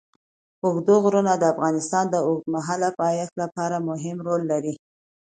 اوږده غرونه د افغانستان د اوږدمهاله پایښت لپاره مهم رول لري.